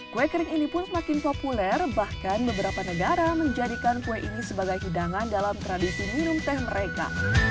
kue kering ini pun semakin populer bahkan beberapa negara menjadikan kue ini sebagai hidangan dalam tradisi minum teh mereka